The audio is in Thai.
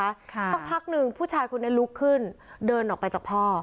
สักพักหนึ่งผู้ชายคนนี้ลุกขึ้นเดินออกไปจากพ่อ